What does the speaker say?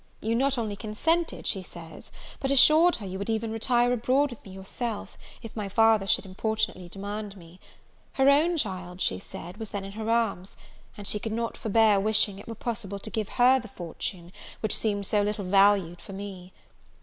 You not only consented, she says, but assured her you would even retire abroad with me yourself, if my father should importunately demand me. Her own child, she said, was then in her arms; and she could not forbear wishing it were possible to give her the fortune which seemed so little valued for me.